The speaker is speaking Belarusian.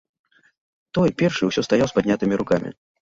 Той, першы, усё стаяў з паднятымі рукамі.